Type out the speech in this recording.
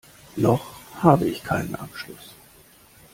Noch habe ich keinen Abschluss.